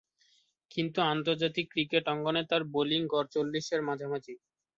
কিন্তু আন্তর্জাতিক ক্রিকেট অঙ্গনে তার বোলিং গড় চল্লিশের মাঝামাঝি।